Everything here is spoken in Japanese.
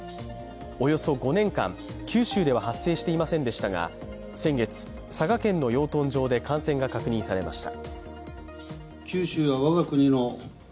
およそ５年間、九州では発生していませんでしたが先月、佐賀県の養豚場で感染が確認されました。